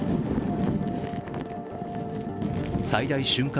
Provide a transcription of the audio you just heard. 最大瞬間